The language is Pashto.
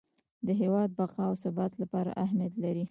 د هیواد بقا او ثبات لپاره اهمیت لري.